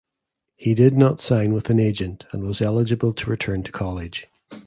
He did not sign with an agent and was eligible to return to college.